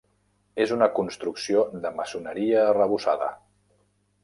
És una construcció de maçoneria arrebossada.